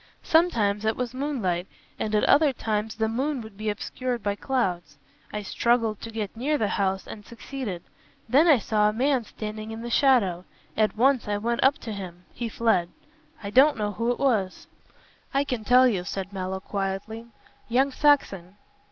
Sometimes it was moonlight and at other times the moon would be obscured by clouds. I struggled to get near the house and succeeded. Then I saw a man standing in the shadow. At once I went up to him he fled. I don't know who it was?" "I can tell you," said Mallow, quietly, "young Saxon."